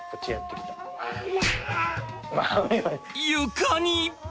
床に！